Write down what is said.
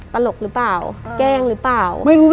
ตลกหรือเปล่าแกล้งหรือเปล่า